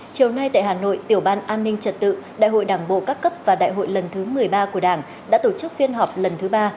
chiều nay tại hà nội tiểu ban an ninh trật tự đại hội đảng bộ các cấp và đại hội lần thứ một mươi ba của đảng đã tổ chức phiên họp lần thứ ba